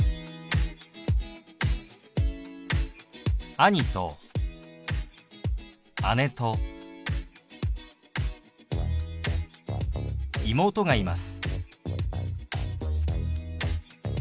兄と姉と妹がいます。